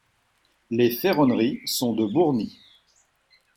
Les ferronneries sont de Bourny.